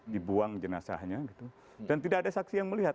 dibuang jenazahnya gitu dan tidak ada saksi yang melihat